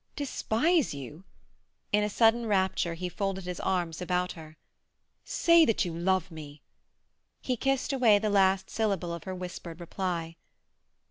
"Despise you?" In a sudden rapture he folded his arms about her. "Say that you love me!" He kissed away the last syllable of her whispered reply.